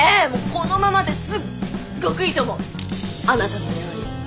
このままですっごくいいと思うあなたの料理！